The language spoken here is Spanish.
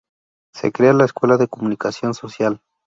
Se crea la escuela de Comunicación Social.